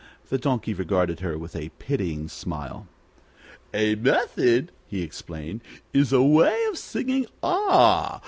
The Donkey regarded her with a pitying smile. "A method," he explained, "is a way of singing 'Ah!'